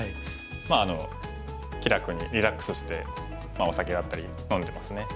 まあ気楽にリラックスしてお酒だったり飲んでますね。